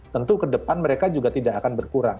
tentu kedepan mereka juga tidak akan berkurang